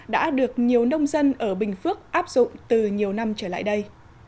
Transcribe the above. đã được nhiều nông dân ở bình phước áp dụng từ nhiều năm trở lại đây